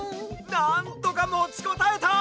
なんとかもちこたえた！